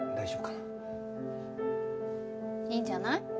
いいんじゃない？